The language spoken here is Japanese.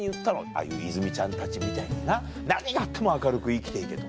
ああいう泉ちゃんたちみたいにな何があっても明るく生きて行けと。